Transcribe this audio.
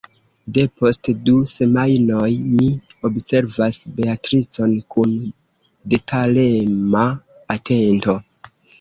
Depost du semajnoj mi observas Beatricon kun detalema atento.